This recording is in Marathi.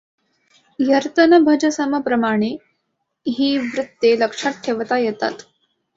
यरतनभजसम प्रमाणे ही वृत्ते लक्षात ठेवता येतात.